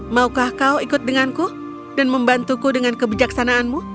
maukah kau ikut denganku dan membantuku dengan kebijaksanaanmu